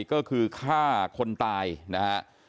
ก็คือฆ่าคนตายนะครับ